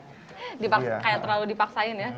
kayak terlalu dipaksain ya